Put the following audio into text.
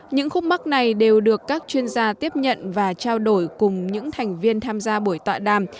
những khúc mắt này đều được các chuyên gia tiếp nhận và trao đổi cùng những thành viên tham gia buổi tọa đàm